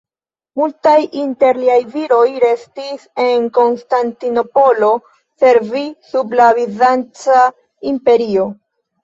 Multaj inter liaj viroj restis en Konstantinopolo servi sub la bizanca imperio.